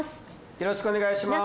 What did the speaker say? よろしくお願いします。